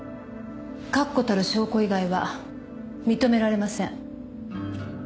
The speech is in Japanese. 確固たる証拠以外は認められません。